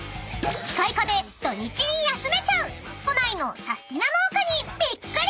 ［機械化で土日に休めちゃう都内のサスティナ農家にびっくり！］